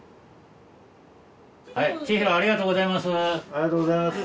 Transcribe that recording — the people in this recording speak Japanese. ありがとうございます。